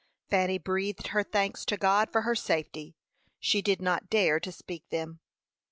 Fanny breathed her thanks to God for her safety she did not dare to speak them.